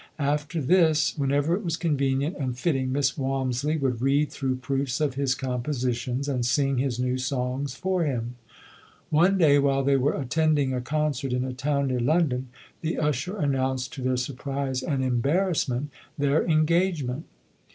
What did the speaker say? After this, whenever it was convenient and fit ting, Miss Walmisley would read through proofs of his compositions and sing his new songs for him. One day while they were attending a con cert in a town near London, the usher announced to their surprise and embarrassment, their en gagement.